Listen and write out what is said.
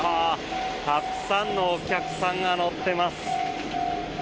たくさんのお客さんが乗っています。